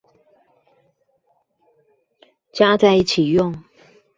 加在一起用